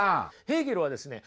ヘーゲルはですね